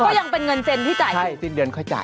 ก็ยังเป็นเงินเซ็นที่จ่ายให้สิ้นเดือนค่อยจ่าย